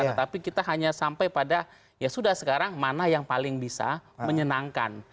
tetapi kita hanya sampai pada ya sudah sekarang mana yang paling bisa menyenangkan